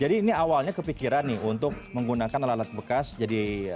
jadi ini awalnya kepikiran nih untuk menggunakan alat alat bekas jadi ini bisa buat pengguna